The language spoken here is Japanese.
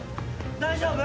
大丈夫？